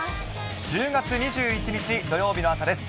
１０月２１日土曜日の朝です。